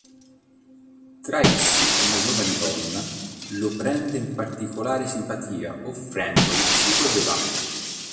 Tra essi una giovane donna lo prende in particolare simpatia offrendogli cibo e bevande.